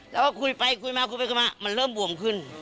แล้วก็คุยไปคุยมาคุยไปคุยมามันเริ่มบวมขึ้น